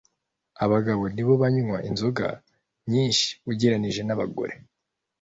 Abagabo nibo banywa inzoga nyinshi ugereranyije na abagore